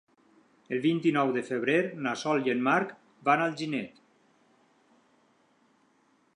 El vint-i-nou de febrer na Sol i en Marc van a Alginet.